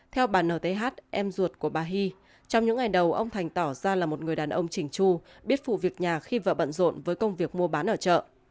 theo bà n t h em ruột của bà hy trong những ngày đầu ông thành tỏ ra là một người đàn ông chỉnh tru biết phụ việc nhà khi vợ bận rộn với công việc mua bán ở chợ